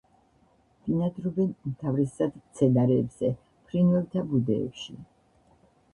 ბინადრობენ უმთავრესად მცენარეებზე, ფრინველთა ბუდეებში.